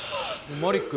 マリック！